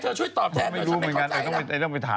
เธอช่วยตอบแทนหน่อยฉันไม่เข้าใจน้ำ